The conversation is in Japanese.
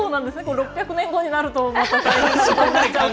６００年後になるとまた。